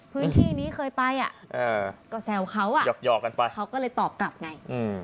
พื้นที่นี้เคยไปก็แซวเขาเขาก็เลยตอบกลับไง